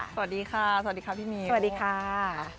สวัสดีค่ะสวัสดีค่ะพี่เมย์สวัสดีค่ะ